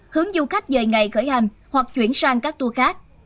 hướng du khách dời ngày khởi hành hoặc chuyển sang các tour khác